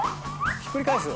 ひっくり返す。